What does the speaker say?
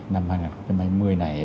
năm hai nghìn hai mươi này